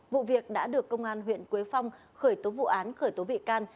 vụ việc đã được công an huyện quế phong khởi tố vụ án khởi tố bị can